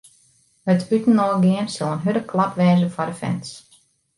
It útinoargean sil in hurde klap wêze foar de fans.